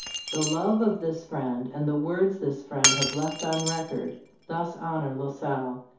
37 The love of this friend, and the words this friend has left on record, thus honor La Salle.